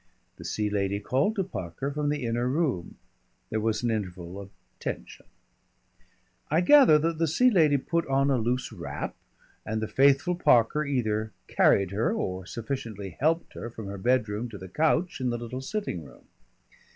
The Sea Lady called to Parker from the inner room. There was an interval of tension. I gather that the Sea Lady put on a loose wrap, and the faithful Parker either carried her or sufficiently helped her from her bedroom to the couch in the little sitting room.